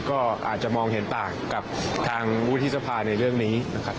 ก็อาจจะมองเห็นต่างกับทางวุฒิสภาในเรื่องนี้นะครับ